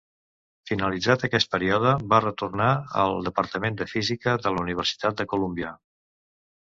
Finalitzat aquest període va retornar al Departament de Física de la Universitat de Colúmbia.